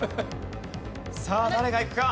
さあ誰がいくか？